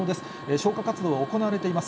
消火活動は行われています。